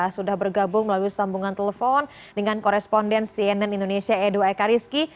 sudah bergabung melalui sambungan telepon dengan koresponden cnn indonesia edo ekariski